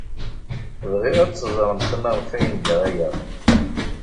Bɣiɣ ad teẓremt maɣef ay nga aya.